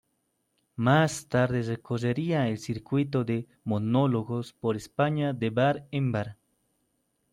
Más tarde recorrería el circuito de monólogos por España de bar en bar.